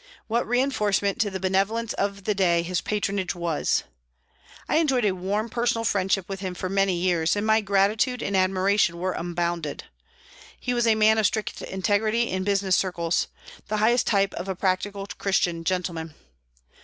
What reinforcement to the benevolence of the day his patronage was! I enjoyed a warm personal friendship with him for many years, and my gratitude and admiration were unbounded. He was a man of strict integrity in business circles, the highest type of a practical Christian gentleman.